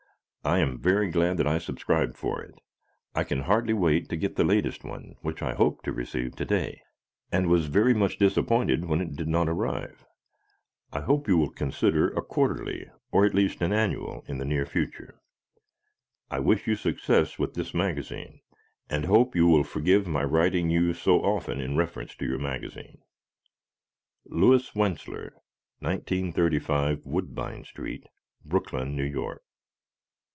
I am very glad that I subscribed for it. I can hardly wait to get the latest one which I hoped to receive to day and was very much disappointed when it did not arrive. I hope you will consider a quarterly or at least an annual in the near future. I wish you success with this magazine, and hope you will forgive my writing you so often in reference to your magazine Louis Wentzler, 1935, Woodbine St., Brooklyn, New York.